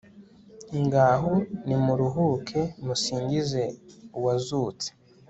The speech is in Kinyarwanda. ngaho nimuruhuke, musingize uwazutse